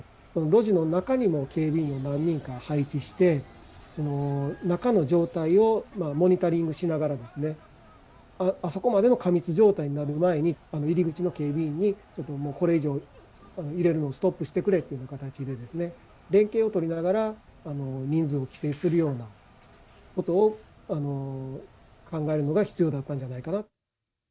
路地の中にも警備員を何人か配置して、中の状態をモニタリングしながらですね、あそこまでの過密状態になる前に、入り口の警備員に、これ以上、入れるのをストップしてくれという形でですね、連携を取りながら、人数を規制するようなことを考えるのが必要だったんじゃないかな。